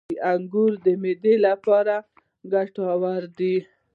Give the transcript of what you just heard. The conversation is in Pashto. • انګور د معدې لپاره ګټور دي.